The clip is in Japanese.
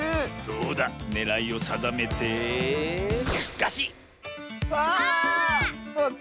そうだねらいをさだめてガシッ！